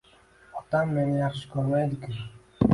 Otam meni yaxshi ko'rmaydiku.